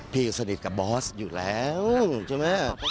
พี่สนิทกับบอสอยู่แล้วใช่ไหม